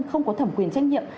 không có thẩm quyền trách nhiệm